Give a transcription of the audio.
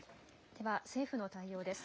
では、政府の対応です。